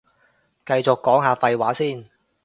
繼續講下廢話先